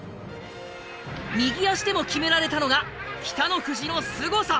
右足でも決められたのが北の富士のすごさ。